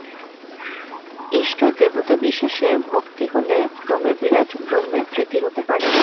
ইষ্ট-দেবতাবিশেষে ভক্তি হলে ক্রমে বিরাট ব্রহ্মে প্রীতি হতে পারে।